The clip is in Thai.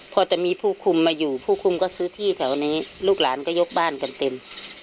พอจะมีผู้คุมมาอยู่ผู้คุมก็ซื้อที่แถวนี้ลูกหลานก็ยกบ้านกันเต็ม